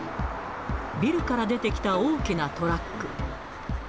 ビルから出てきた大きなトラック。